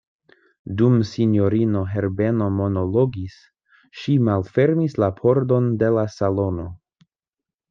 Dum sinjorino Herbeno monologis, ŝi malfermis la pordon de la salono.